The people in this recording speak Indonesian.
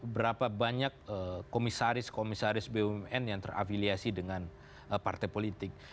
berapa banyak komisaris komisaris bumn yang terafiliasi dengan partai politik